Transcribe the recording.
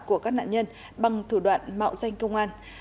của các nạn nhân bằng thủ đoạn mạo danh công an